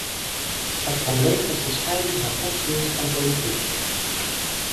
Het probleem is de scheiding van godsdienst en politiek.